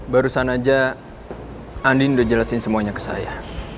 barusan aja andin udah jelasin semuanya ke saya